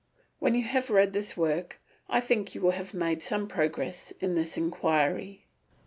When you have read this work, I think you will have made some progress in this inquiry.